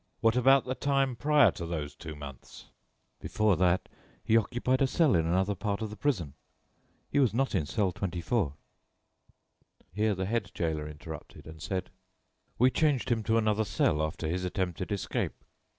"What about the time prior to those two months?" "Before that he occupied a cell in another part of the prison. He was not in cell 24." Here the head gaoler interrupted, and said: "We changed him to another cell after his attempted escape."